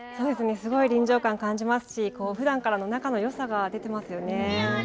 すごい臨場感を感じますしふだんからの仲のよさが出ていますよね。